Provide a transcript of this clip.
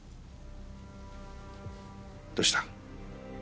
どうした？